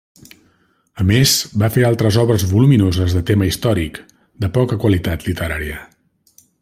A més, va fer altres obres voluminoses de tema històric, de poca qualitat literària.